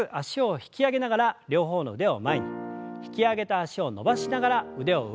引き上げた脚を伸ばしながら腕を上。